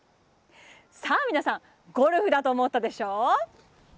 皆さんゴルフだと思ったでしょう？